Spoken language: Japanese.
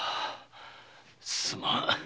すまん。